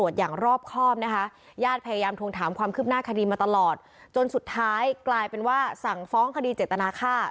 จนสุดท้ายกลายเป็นว่าสั่งฟ้องคดีเจตนาค่า